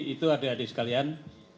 itu adik adik sekalian